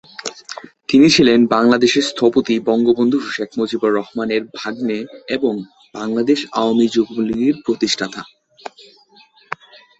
তিনি ছিলেন বাংলাদেশের স্থপতি বঙ্গবন্ধু শেখ মুজিবুর রহমানের ভাগ্নে এবং বাংলাদেশ আওয়ামী যুবলীগের প্রতিষ্ঠাতা।